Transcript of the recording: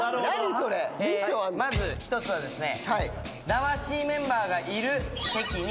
まず１つはですね。